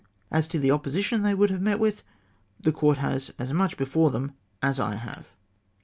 As to the opposition they would have met with, the Court has as much before them as I have."